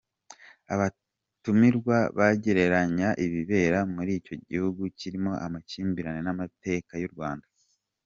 Abatumirwa bagereranya ibibera muri icyo gihugu kirimo amakimbirane n’amateka y’u Rwanda.